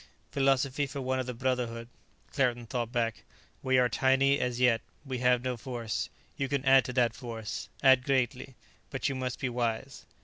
"Philosophy for one of the Brotherhood," Claerten thought back. "We are tiny as yet; we have no force. You can add to that force, add greatly; but you must be wise."